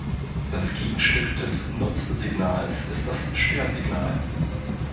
Das Gegenstück des Nutzsignals ist das Störsignal.